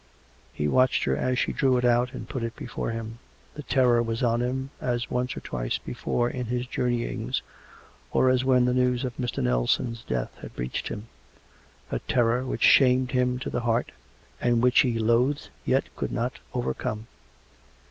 He watched her as she drew it out and put it before him. The terror was on him, as once or twice before in his jour neyings, or as when the news of Mr. Nelson's death had reached him — a terror which shamed him to the heart, and which he loathed yet could not overcome.